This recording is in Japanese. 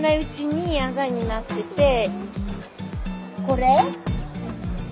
これ。